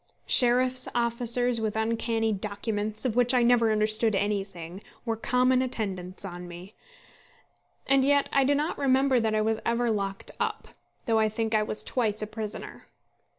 Sheriff's officers with uncanny documents, of which I never understood anything, were common attendants on me. And yet I do not remember that I was ever locked up, though I think I was twice a prisoner.